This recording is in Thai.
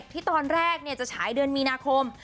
ที่ตอนแรกจะฉายเดือนมีนาคม